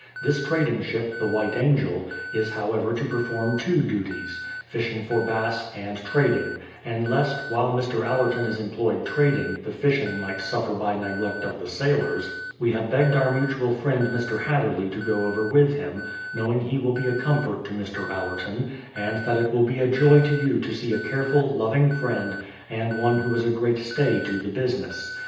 This trading ship, the White Angel, is however to perform two duties: fishing for bass and trading; and lest, while Mr. Allerton is employed trading, the fishing might suffer by neglect of the sailors, we have THE PLYIVIOUTH SETTLEIMENT 219 begged our mutual friend, Mr. Hatherley, to go over \yith him, knowing he will be a comfort to Mr. Allerton, and that it will be a joy to you to see a careful, loving friend, and one who is a great stay to the business.